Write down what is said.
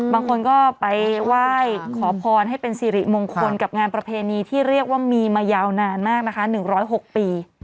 บางคนก็ไปไหว้ขอพรให้เป็นสิริมงคลกับงานประเพณีที่เรียกว่ามีมายาวนานมากนะคะ๑๐๖ปี